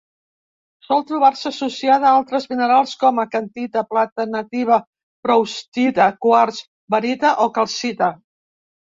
Sol trobar-se associada a altres minerals com: acantita, plata nativa, proustita, quars, barita o calcita.